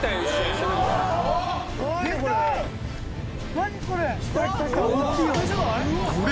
何これ？